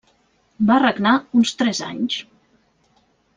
Va regnar uns tres anys.